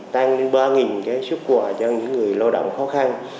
tăng lên ba cái xuất quà cho những người lao động khó khăn